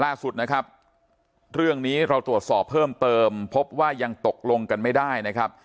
ล่าสุดนะครับเรื่องนี้เราตรวจสอบเพิ่มเติมพบว่ายังตกลงกันไม่ได้นะครับ